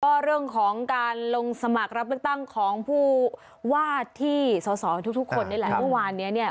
ก็เรื่องของการลงสมัครรับเลือกตั้งของผู้ว่าที่สอสอทุกคนนี่แหละเมื่อวานนี้เนี่ย